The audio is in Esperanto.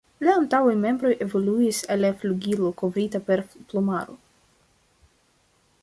La antaŭaj membroj evoluis al flugilo kovrita per plumaro.